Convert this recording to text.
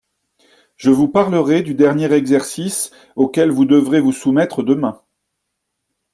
je vous parlerai du dernier exercice auquel vous devrez vous soumettre demain.